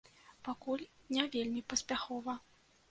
Пакуль не вельмі паспяхова.